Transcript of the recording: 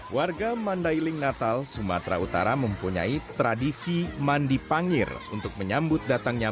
warga mandailing natal sumatera utara mempunyai tradisi mandi pangir untuk menyambut datangnya